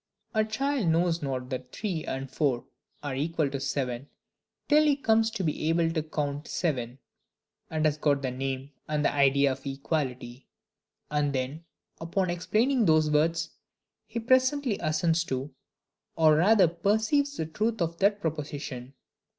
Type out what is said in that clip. A child knows not that three and four are equal to seven, till he comes to be able to count seven, and has got the name and idea of equality; and then, upon explaining those words, he presently assents to, or rather perceives the truth of that proposition.